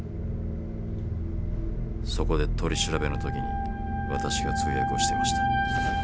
そこで取り調べの時に私が通訳をしていました。